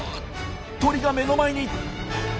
鳥が目の前に。